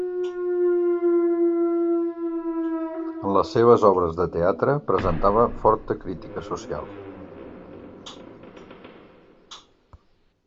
En les seves obres de teatre presentava forta crítica social.